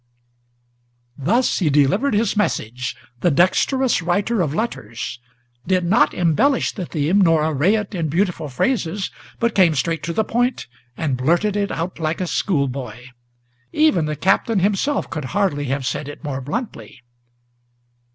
Thus he delivered his message, the dexterous writer of letters, Did not embellish the theme, nor array it in beautiful phrases, But came straight to the point, and blurted it out like a schoolboy; Even the Captain himself could hardly have said it more bluntly.